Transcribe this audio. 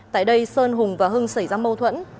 tại đây sơn hùng và hưng xảy ra mâu thuẫn